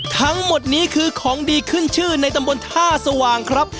ทั้งหมดนี้คือของดีขึ้นชื่อในตำบลท่าสว่างครับ